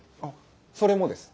それもです。